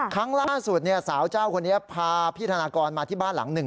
ครั้งล่าสุดสาวเจ้าคนนี้พาพี่ธนากรมาที่บ้านหลังหนึ่ง